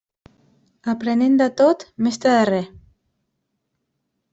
Aprenent de tot, mestre de res.